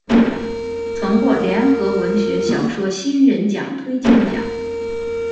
曾获联合文学小说新人奖推荐奖。